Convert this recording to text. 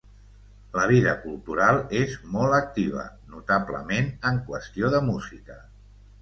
La vida cultural és molt activa, notablement en qüestió de música.